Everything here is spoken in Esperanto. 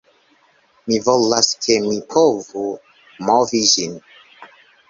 Mi volas, ke mi povu movi ĝin